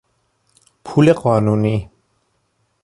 پول قانونی